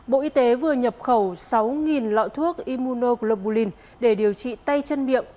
bộ y tế vừa nhập khẩu sáu lọ thuốc immunoglobulin để điều trị tay chân miệng